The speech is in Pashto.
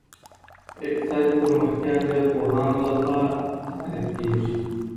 اقتصادي پرمختيا د پوهانو لخوا تعريف کيږي.